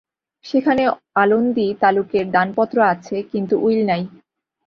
সেখানে আলন্দি তালুকের দানপত্র আছে কিন্তু উইল নাই।